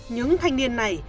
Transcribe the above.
những thanh niên này